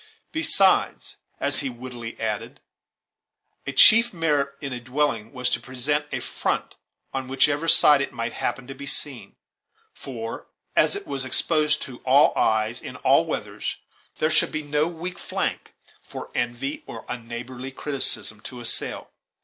Besides, as he wittily added, a chief merit in a dwelling was to present a front on whichever side it might happen to be seen; for, as it was exposed to all eyes in all weathers, there should be no weak flank for envy or unneighborly criticism to assail.